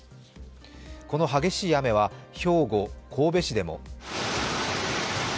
この激しい雨は兵庫・神戸市でも。